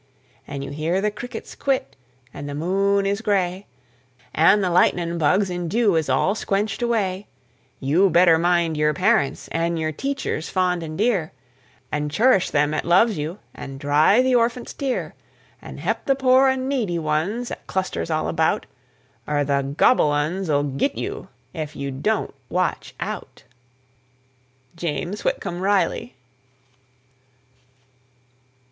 An' you hear the crickets quit, an' the moon is gray, An' the lightnin' bugs in dew is all squenched away, You better mind yer parents, an' yer teachers fond an' dear, An' churish them 'at loves you, an' dry the orphant's tear, An' he'p the pore an' needy ones 'at clusters all about, Er the Gobble uns'll git you Ef you Don't Watch Out! JAMES WHITCOMB RILEY.